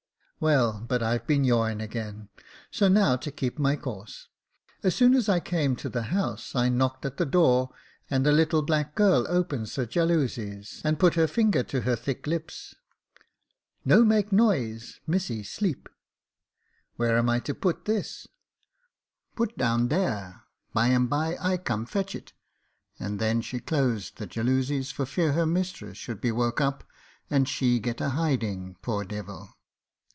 " Well, but I've been yawing again, so now to keep my course. As soon as I came to the house I knocked at the door, and a little black girl opens the jalousies, and put her finger to her thick lips. "* No make noise ; missy sleep.* "* Where am I to put this ?Put down there ; by and bye I come fetch it ;' and then she closed the jalousies, for fear her mistress should be woke up, and she get a hiding, poor devil.